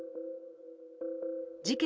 事件